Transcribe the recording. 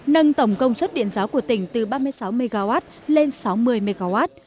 nâng tổng công suất điện gió của tỉnh từ ba mươi sáu mw lên sáu mươi mw